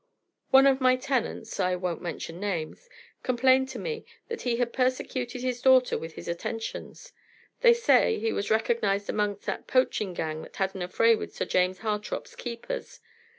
One of my tenants I won't mention names complained to me that he had persecuted his daughter with his attentions. They say, he was recognized among that poaching gang that had an affray with Sir James Hartrop's keepers.